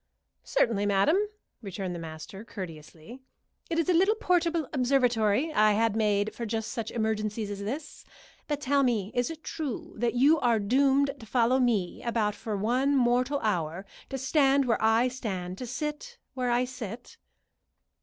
"Certainly, madam," returned the master, courteously. "It is a little portable observatory I had made for just such emergencies as this. But, tell me, is it true that you are doomed to follow me about for one mortal hour to stand where I stand, to sit where I sit?"